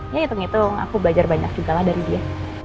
ya hitung hitung aku belajar banyak juga lah dari dia